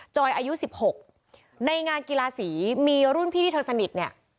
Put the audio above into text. อายุ๑๖ในงานกีฬาสีมีรุ่นพี่ที่เธอสนิทเนี่ย